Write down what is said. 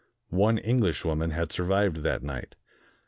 One Englishwoman had survived that night.